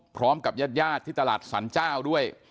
พร้อมกับญาติญาติที่ตลาดสรรเจ้าด้วย